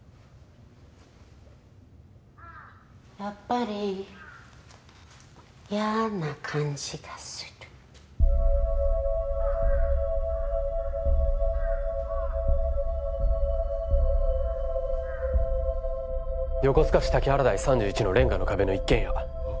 やっぱり嫌な感じがする横須賀市滝原台３１のレンガの壁の一軒家はっ？